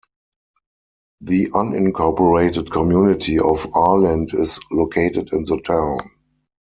The unincorporated community of Arland is located in the town.